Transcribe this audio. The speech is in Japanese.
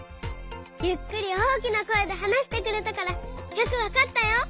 ゆっくり大きなこえではなしてくれたからよくわかったよ。